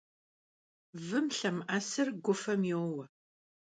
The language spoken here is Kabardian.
Vım lhemı'esır gufem youe.